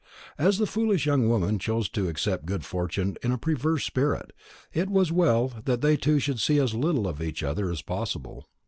As the foolish young woman chose to accept good fortune in a perverse spirit, it was well that they two should see as little of each other as possible.